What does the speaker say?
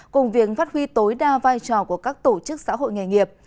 cùng việc phát huy tối đa vai trò của các tổ chức xã hội nghề nghiệp